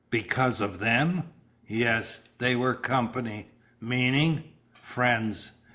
"Because of them!" "Yes. They were company." "Meaning " "Friends."